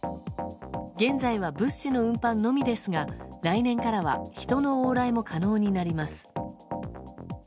現在は物資の運搬のみですが来年からは人の往来も可能になります。